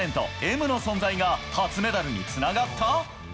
Ｍの存在が初メダルにつながった？